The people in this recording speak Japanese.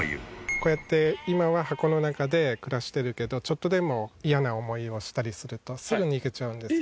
こうやって今は箱の中で暮らしてるけどちょっとでも嫌な思いをしたりするとすぐ逃げちゃうんですよ。